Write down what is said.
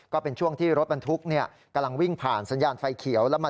ก็เป็นช่วงที่รถบรรทุกเนี่ยกำลังวิ่งผ่านสัญญาณไฟเขียวแล้วมา